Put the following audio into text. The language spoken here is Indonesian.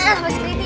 nah mas keriti